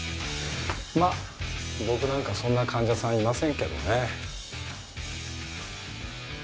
まあ僕なんかそんな患者さんいませんけどね。